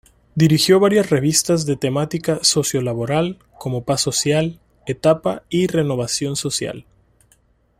Dirigió varias revistas de temática socio-laboral como "Paz Social", "Etapa" y "Renovación Social".